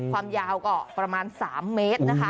ความยาวก็ประมาณ๓เมตรนะคะ